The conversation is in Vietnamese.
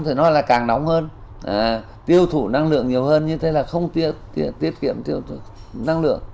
thì nó là càng nóng hơn tiêu thụ năng lượng nhiều hơn như thế là không tiết kiệm theo năng lượng